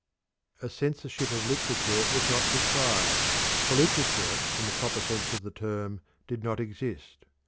A censorship of literature was not required, for literature in the proper sense of the term did not exist.